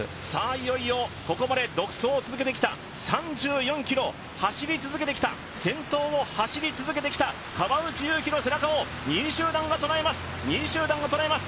いよいよここまで独走を続けてきた、３４ｋｍ先頭を走り続けてきた川内優輝の背中を２位集団が捉えます。